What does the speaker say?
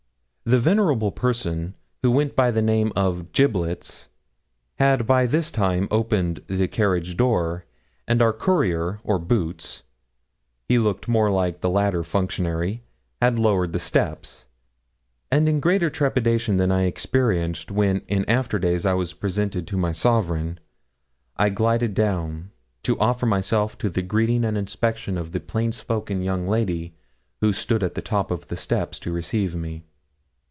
The venerable person who went by the name of Giblets had by this time opened the carriage door, and our courier, or 'boots' he looked more like the latter functionary had lowered the steps, and in greater trepidation than I experienced when in after days I was presented to my sovereign, I glided down, to offer myself to the greeting and inspection of the plain spoken young lady who stood at the top of the steps to receive me.